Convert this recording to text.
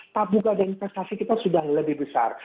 tabuga dan investasi kita sudah lebih besar